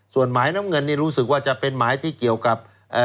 ส่วนหมายน้ำเงินนี่รู้สึกว่าจะเป็นหมายที่เกี่ยวกับ